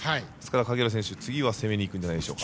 影浦選手は次は攻めにいくんじゃないでしょうか。